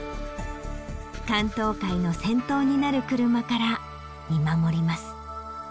竿燈会の先頭になる車から見守ります。